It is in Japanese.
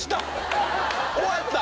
終わった！